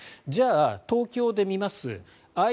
じゃあ、東京で見ます。